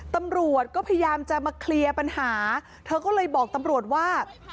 ตำรวจก็พยายามจะมาเคลียร์ปัญหาเธอก็เลยบอกตำรวจว่า